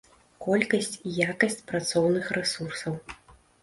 Колькасць і якасць працоўных рэсурсаў.